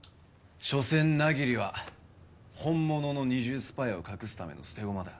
しょせん百鬼は本物の二重スパイを隠すための捨て駒だ。